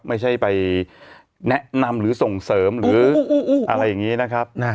ไม่ใช่ไปแนะนำหรือส่งเสริมหรืออะไรอย่างนี้นะครับ